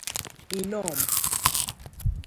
Ịnọma